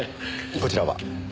こちらは？